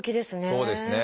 そうですね。